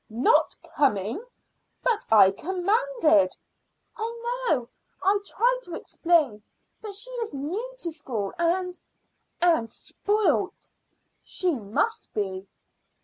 "Not coming? But I commanded." "I know, I tried to explain, but she is new to school and and spoilt." "She must be."